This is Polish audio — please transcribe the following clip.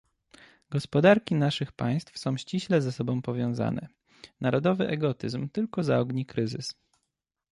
Gospodarki naszych państw są ściśle ze sobą powiązane - narodowy egotyzm tylko zaogni kryzys